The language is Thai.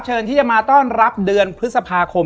และยินดีต้อนรับทุกท่านเข้าสู่เดือนพฤษภาคมครับ